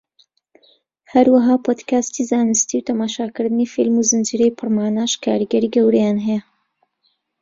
هەروەها پۆدکاستی زانستی و تەماشاکردنی فیلم و زنجیرەی پڕماناش کاریگەری گەورەیان هەیە